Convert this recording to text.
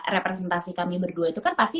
representasi kami berdua itu kan pasti